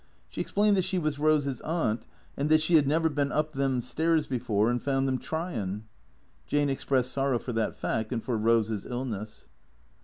She explained that she was Eose's aunt, and that she had never been up them stairs before and found them tryin'. Jane expressed sorrow for that fact and for Eose's illness.